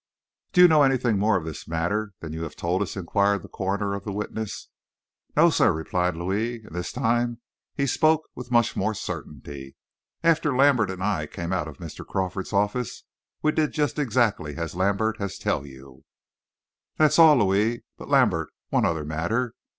"Do you know anything more of this matter than you have told us?" inquired the coroner of the witness. "No, sir," replied Louis, and this time he spoke as with more certainty. "After Lambert and I came out of Mr. Crawford's office, we did just exactly as Lambert has tell you." "That's all, Louis.... But, Lambert, one other matter.